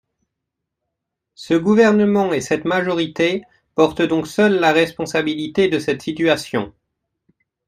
Ce gouvernement et cette majorité portent donc seuls la responsabilité de cette situation.